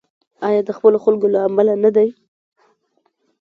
آیا د خپلو خلکو له امله نه دی؟